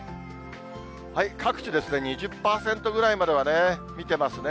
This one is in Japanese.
各地２０％ぐらいまでは見てますね。